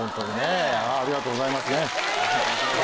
ありがとうございます。